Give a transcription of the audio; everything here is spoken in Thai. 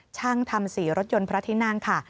ช่างถามศรีรถยนต์พระราธินั่งค่ะ